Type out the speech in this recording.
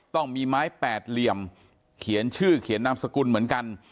ต้องมีไม้แปดเหลี่ยมเขียนชื่อเขียนนามสกุลเหมือนกัน